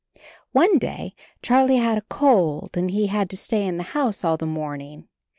One day Charlie had a cold and he had to 63 64 CHARLIE stay in the house all the morning.